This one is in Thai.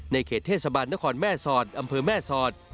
เขตเทศบาลนครแม่สอดอำเภอแม่สอด